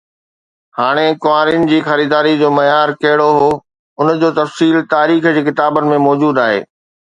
هاڻي ڪنوارين جي خريداريءَ جو معيار ڪهڙو هو، ان جو تفصيل تاريخ جي ڪتابن ۾ موجود آهي.